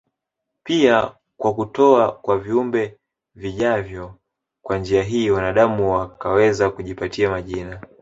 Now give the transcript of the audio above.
pia kwa kutoa kwa viumbe vijavyo Kwa njia hii wanaadamu wakaweza kujipatia majina